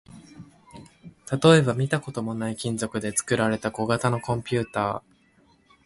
例えば、見たこともない金属で作られた小型のコンピュータ